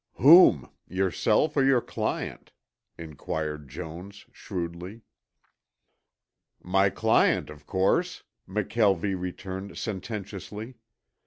"Whom? Yourself or your client?" inquired Jones shrewdly. "My client, of course," McKelvie returned sententiously.